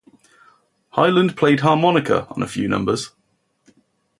Hyland played harmonica on a few numbers.